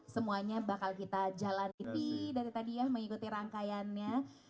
semuanya bakal kita jalani dari tadi ya mengikuti rangkaiannya